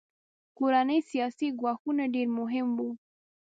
کورني سیاسي ګواښونه ډېر مهم وو.